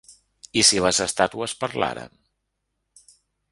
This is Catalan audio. I si les estàtues parlaren?